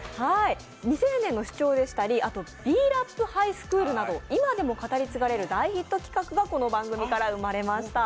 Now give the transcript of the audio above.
「未成年の主張」でしたり「Ｂ−ＲＡＰハイスクール」など今でも語り継がれる大ヒット企画がこの番組から生まれました。